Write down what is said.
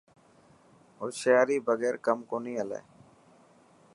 هوشيري بگير ڪم ڪونهي هلي.